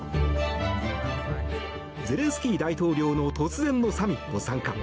ゼレンスキー大統領の突然のサミット参加。